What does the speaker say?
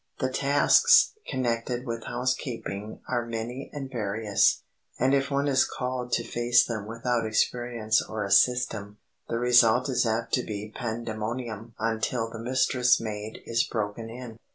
The tasks connected with housekeeping are many and various; and if one is called to face them without experience or a system, the result is apt to be pandemonium until the mistress maid is broken in.